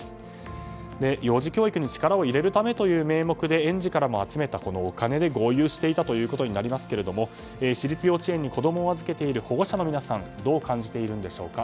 幼児教育に力を入れるためという名目で園児からも集めたこのお金で豪遊していたことになりますが私立幼稚園に子供を預けている保護者の皆さんはどう感じているんでしょうか。